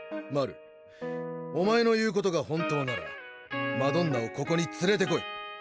マルお前の言うことが本当ならマドンナをここに連れてこい！